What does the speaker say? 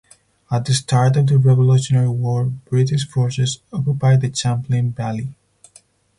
At the start of the Revolutionary War, British forces occupied the Champlain Valley.